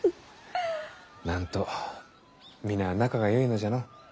なんと皆仲がよいのじゃの。